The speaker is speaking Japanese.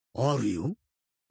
あるよ。